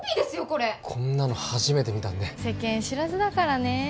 これこんなの初めて見たんで世間知らずだからねえ